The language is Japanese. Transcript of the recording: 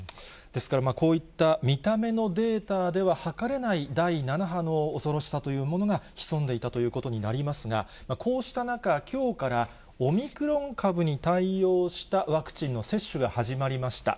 ですから、こういった見た目のデータでははかれない、第７波の恐ろしさというものが潜んでいたということになりますが、こうした中、きょうから、オミクロン株に対応したワクチンの接種が始まりました。